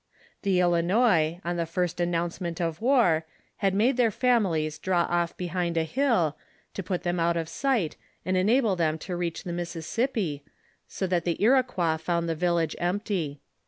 The Ilinois, on the first announcement of war, had made their families draw off behind a hill, to put them out of sight, and enable them to reach the Mississippi, so that the Iroquois found the village empty.